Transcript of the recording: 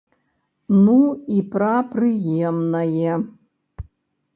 Ну і пра прыемнае.